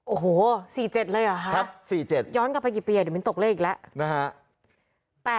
โอ้โห๔๗เลยหรอย้อนกลับไปกี่ปีเดี๋ยวมันตกเลยอีกแล้ว